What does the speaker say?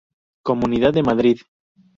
Comunidad de Madrid.